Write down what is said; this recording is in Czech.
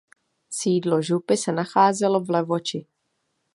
Sídlo župy se nacházelo v Levoči.